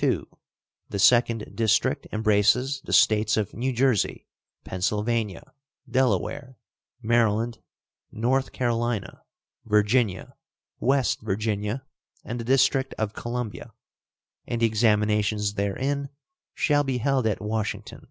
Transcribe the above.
II. The second district embraces the States of New Jersey, Pennsylvania, Delaware, Maryland, North Carolina, Virginia, West Virginia, and the District of Columbia; and the examinations therein shall be held at Washington.